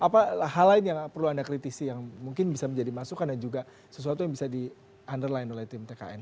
apa hal lain yang perlu anda kritisi yang mungkin bisa menjadi masukan dan juga sesuatu yang bisa di underline oleh tim tkn